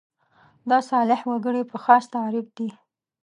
دا صالح وګړي په خاص تعریف دي.